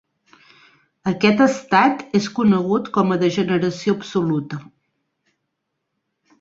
Aquest estat és conegut com a degeneració absoluta.